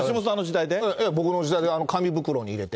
ええ、僕の時代で紙袋に入れて。